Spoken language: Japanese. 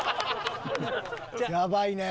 やばいね。